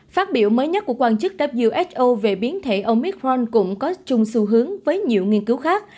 phát biểu mới nhất của quan chức who về biến thể omicron cũng có chung xu hướng với nhiều nghiên cứu khác